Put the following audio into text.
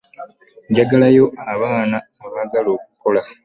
Njagalayo abaana abaagala okukola.